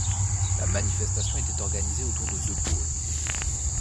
La manifestation était organisée autour de deux pôles.